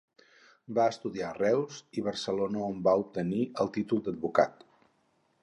Va estudiar a Reus i Barcelona on va obtenir el títol d'advocat.